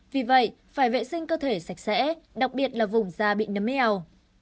vì vậy phải vệ sinh cơ thể sạch sẽ đặc biệt là vùng da bị nấm eo